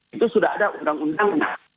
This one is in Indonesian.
itu sudah ada undang undangnya